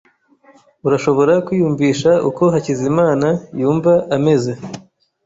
Urashobora kwiyumvisha uko Hakizimana yumva ameze?